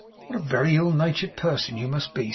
'What a very ill natured person you must be!